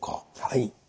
はい。